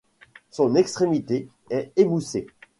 Son extrémité est émoussée.